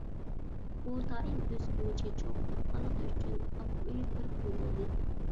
ئۇ دائىم ئۆز كۆمىچىگە چوغ تارتقانلىقى ئۈچۈن، ئابرۇيى بىر پۇل بولدى.